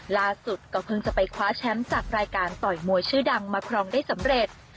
ล่าสุดก็เพิ่งจะไปคว้าแชมป์จากรายการต่อยมวยชื่อดังมาครองได้สำเร็จ